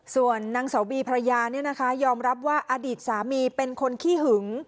ส่วนนางเสาบีภรรยายอมรับว่าอดีตสามีเป็นคนขี้หึง